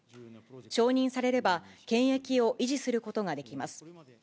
承認されれば、権益を維持することができます。